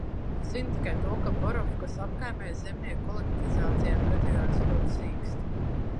Zinu tikai to, ka Barokovkas apkaimē zemnieki kolektivizācijai pretojās ļoti sīksti.